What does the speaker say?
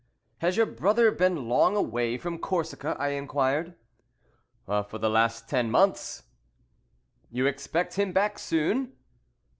"Has your brother been long away from Corsica?" I inquired. "For the last ten months." "You expect him back soon?"